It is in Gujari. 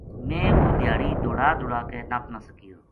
میں وہ دھیاڑی دوڑا دوڑا کے نپ نہ سکیو